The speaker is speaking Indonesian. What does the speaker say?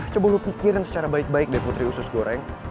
coba lo pikirin secara baik baik deh putri usus goreng